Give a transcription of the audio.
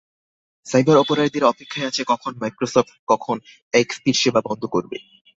Cyber অপরাধীরা অপেক্ষায় আছে কখন মাইক্রোসফট কখন এক্সপির সেবা বন্ধ করবে।